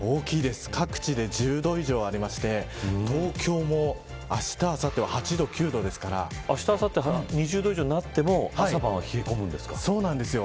各地で１０度以上ありまして東京もあした、あさっては８度、９度ですからあしたあさって２０度以上になってもそうなんですよ。